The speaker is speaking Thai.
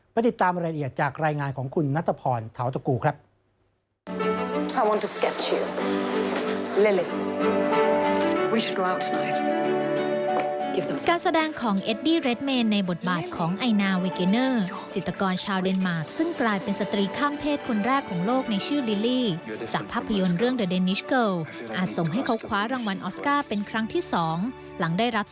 ติดตามรายละเอียดจากรายงานของคุณนัทพรเทาตะกูครับ